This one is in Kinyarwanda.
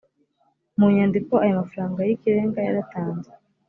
mu nyandiko ayo mafaranga y ikirenga yaratanzwe